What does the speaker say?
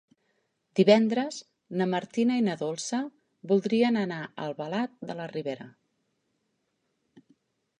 Divendres na Martina i na Dolça voldrien anar a Albalat de la Ribera.